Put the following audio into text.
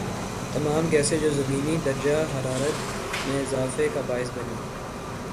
تمام گیسیں جو زمینی درجہ حرارت میں اضافے کا باعث بنیں